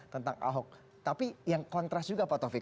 tentang ahok tapi yang kontras juga pak taufik